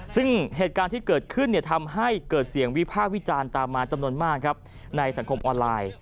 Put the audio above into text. ซึ่งเหตุการณ์ที่เกิดขึ้นทำให้เกิดเสียงวิพากษ์วิจารณ์ตามมาจำนวนมากครับในสังคมออนไลน์